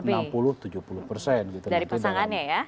dari pasangannya ya